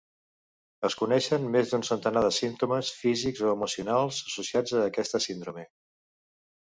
Es coneixen més d'un centenar de símptomes físics o emocionals associats a aquesta síndrome.